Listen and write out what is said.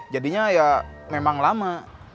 jadinya ya memang lama